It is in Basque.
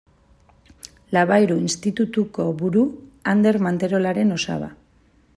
Labayru Institutuko buru Ander Manterolaren osaba.